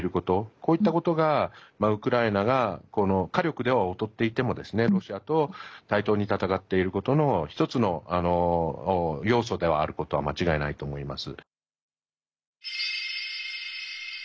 こういったことが、ウクライナが火力では劣っていてもロシアと対等に戦っていることの１つの要素ではあることは間違いないと思います。